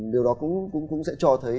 điều đó cũng sẽ cho thấy